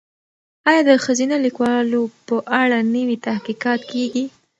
ایا د ښځینه لیکوالو په اړه نوي تحقیقات کیږي؟